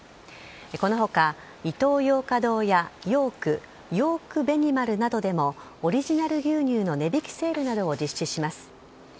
このほか、イトーヨーカドーやヨーク、ヨークベニマルなどでも、オリジナル牛乳の値引きセールなどを実施します。